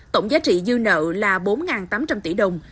tổng giá trị dư nợ là bốn tám trăm linh tỷ đồng